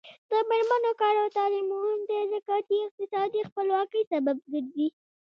د میرمنو کار او تعلیم مهم دی ځکه چې اقتصادي خپلواکۍ سبب ګرځي.